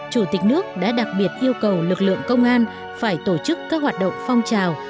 chủ tịch nước đã đặc biệt yêu cầu lực lượng công an phải tổ chức các hoạt động phong trào